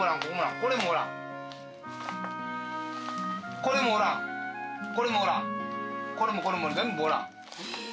これもおらん、これもおらん、これも、これも、全部おらん。